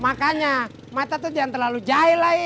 makanya mata tuh jangan terlalu jai lagi